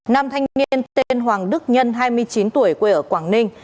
nam thanh niên tên hoàng đức nhân hai mươi chín tuổi quê ở quảng ninh